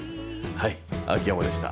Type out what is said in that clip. はい秋山でした。